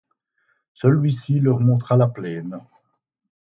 Celui-ci leur montra la plaine